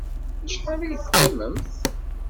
Acḥal ay teqqimemt?